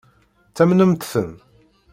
Ttamnent-ten?